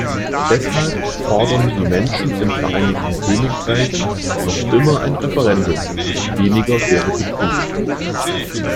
Deshalb fordern die Menschen im Vereinigten Königreich noch immer ein Referendum, weniger wäre Betrug.